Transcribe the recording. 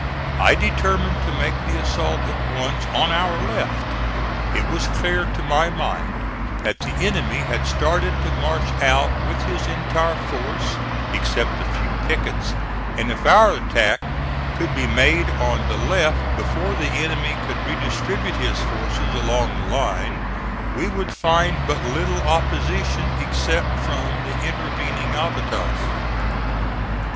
I determined to make the assault at once on our left. It was clear to my mind that the enemy had started to march out with his entire force, except a few pickets, and if our attack could be made on the left before the enemy could redistribute his forces along the line, we would find but little opposition except from the intervening abatis.